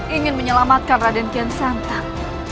ingin menyelamatkan raden kiansantan